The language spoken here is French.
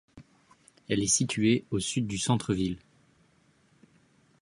Elle est située au Sud du centre-ville.